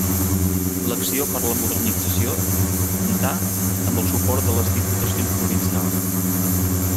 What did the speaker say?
L'acció per a la modernització comptà amb el suport de les diputacions provincials.